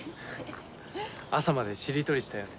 朝までしりとりしたよね？